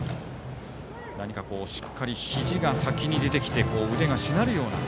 何かしっかりひじが先に出てきて腕がしなるような。